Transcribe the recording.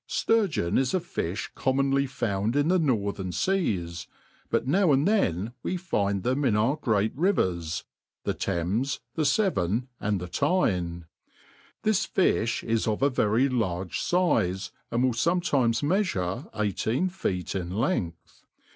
' Sturgeon is a fi(h commonly found in the northern feas; but now and then we find them in^our great rivers, the Thames, the Severn, and the Tyne. This fifh is of a very large fizey and will fometimes meafure eighteen feet in length.